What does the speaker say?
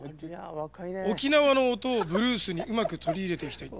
「沖縄の音をブルースにうまく取り入れていきたい」。